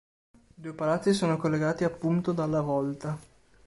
I due palazzi sono collegati appunto dalla volta.